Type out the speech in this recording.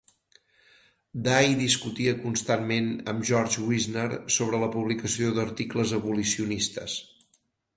Day discutia constantment amb George Wisner sobre la publicació d'articles abolicionistes.